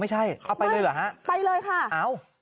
ไม่ใช่อ้าวไปเลยเหรอคะไปเลยค่ะอ้าว